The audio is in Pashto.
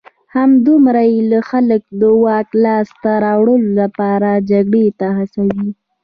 همدومره یې خلک د واک لاسته راوړلو لپاره جګړې ته هڅول